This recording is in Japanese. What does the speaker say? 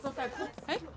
はい？